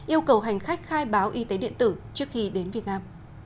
yêu cầu hành khách khai báo y tế điện tử trước khi đến việt nam